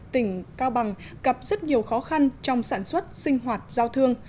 tỉnh cao bằng gặp rất nhiều khó khăn trong sản xuất sinh hoạt giao thương